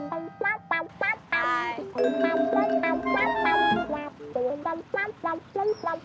woy itu dia itu dia